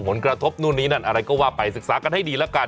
ผลกระทบนู่นนี่นั่นอะไรก็ว่าไปศึกษากันให้ดีแล้วกัน